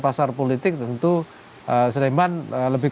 pasar politik tentu sleman lebih